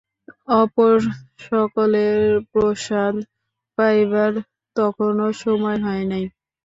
অপর সকলের প্রসাদ পাইবার তখনও সময় হয় নাই।